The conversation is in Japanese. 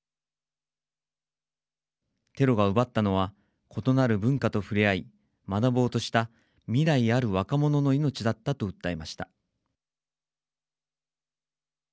テロが奪ったのは異なる文化と触れ合い学ぼうとした未来ある若者の命だったと訴えました。